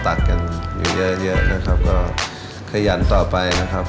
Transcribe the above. ตัดกันอยู่เยอะเยอะนะครับก็ขยันต่อไปนะครับ